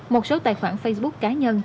một số tài khoản facebook cá nhân